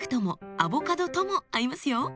アボカドとも合いますよ。